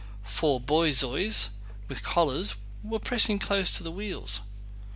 Four borzois with collars were pressing close to the wheels.